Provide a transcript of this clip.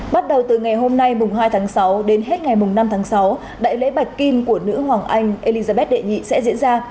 bắt đầu từ ngày hôm nay hai tháng sáu đến hết ngày năm tháng sáu đại lễ bạch kim của nữ hoàng anh elizabeth đệ nhị sẽ diễn ra